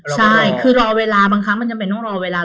ใช่คือรอเวลาบางครั้งมันจำเป็นต้องรอเวลา